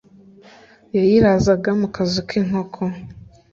Yayirazaga mu kazu k’inkoko